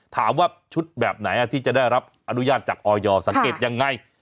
ถามว่าชุดแบบไหนที่จะได้รับอนุญาตจากออยสังเกตยังไง